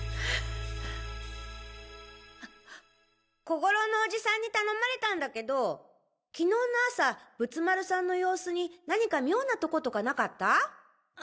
小五郎のオジさんに頼まれたんだけど昨日の朝仏丸さんの様子に何か妙なとことかなかった？